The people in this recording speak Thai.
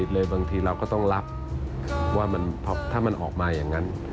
เลยบางทีเราก็ต้องรับว่าถ้ามันออกมาอย่างนั้น